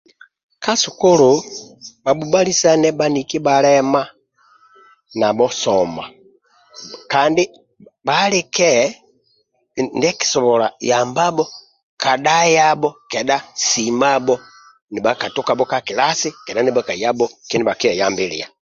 Ka sukulu bhabhubhlisane bhaniki bhalema nabho soma kandi bhalike ndia akisobola dhayabho kedha simabho kedha dhayabho katukabho kindia bhakisobola kweyambilia